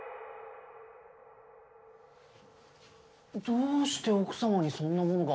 どうして奥様にそんなものが？